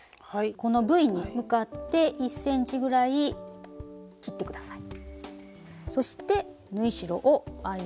このＶに向かって１ｃｍぐらい切って下さい。